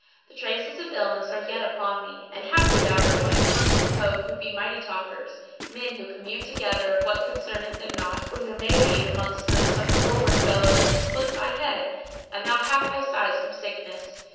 The traces of illness are yet upon thee and haply thou art going among folk who be mighty talkers, men who commune together of what concerneth them not; or there may be amongst them some forward fellow who will split thy head, and thou half thy size from sickness."